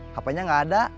hape nya gak ada